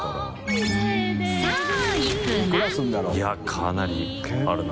かなりあるな。